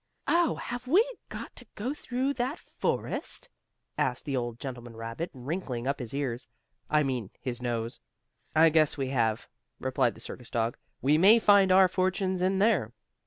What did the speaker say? "Oh, have we got to go through that forest?" asked the old gentleman rabbit, wrinkling up his ears I mean his nose. "I guess we have," replied the circus dog. "We may find our fortunes in there."